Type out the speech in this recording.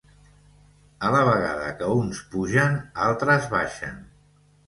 A la vegada que uns pugen, altres baixen.